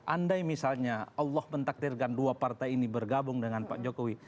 andai misalnya allah mentakdirkan dua partai ini bergabung dengan pak jokowi